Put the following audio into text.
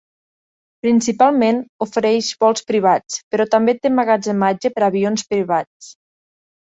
Principalment ofereix vols privats, però també té emmagatzematge per a avions privats.